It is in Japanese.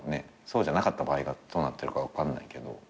そうじゃなかった場合がどうなってるか分かんないけど。